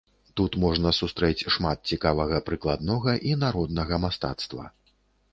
Тут можна сустрэць шмат цікавага прыкладнога і народнага мастацтва.